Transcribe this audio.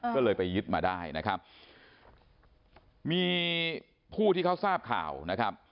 ก็เลยไปยึดมาได้นะครับมีผู้ที่เขาทราบข่าวนะครับ